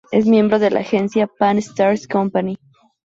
Es miembro de la agencia "Pan Stars Company".